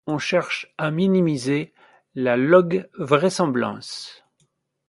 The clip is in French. On cherche à minimiser la log-vraisemblance.